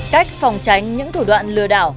cách phòng tránh những thủ đoạn lừa đảo